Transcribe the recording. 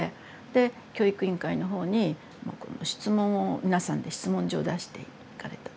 で教育委員会の方に質問を皆さんで質問状を出していかれた。